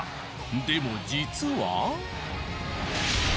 でも実は。